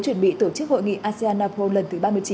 chuẩn bị tổ chức hội nghị asean napol lần thứ ba mươi chín